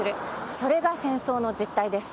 それが戦争の実態です。